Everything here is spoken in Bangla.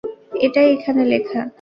এটাই এখানে লেখা।